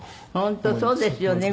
本当そうですよね。